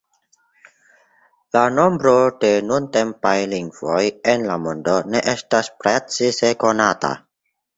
La nombro de nuntempaj lingvoj en la mondo ne estas precize konata.